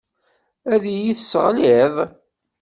Ad iyi-tesseɣliḍ.